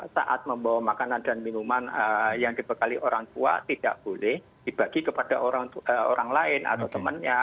saat membawa makanan dan minuman yang dibekali orang tua tidak boleh dibagi kepada orang lain atau temannya